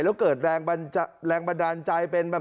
แล้วเกิดแรงบันดาลใจ